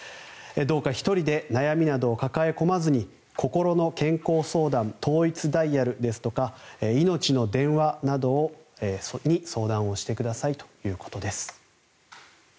どうか１人で悩みなどを抱え込まずにこころの健康相談統一ダイヤルですとかいのちの電話などに相談をしてくださいということです。